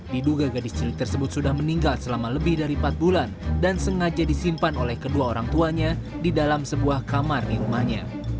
diduga gadis cilik tersebut sudah meninggal selama lebih dari empat bulan dan sengaja disimpan oleh kedua orang tuanya di dalam sebuah kamar di rumahnya